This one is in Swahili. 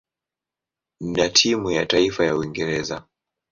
na timu ya taifa ya Uingereza.